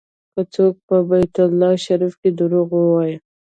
که څوک په بیت الله شریف کې دروغ ووایي.